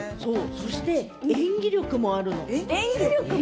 そして演技力もあるの。